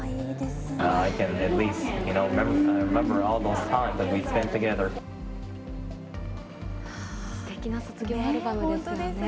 すてきな卒業アルバムですよね。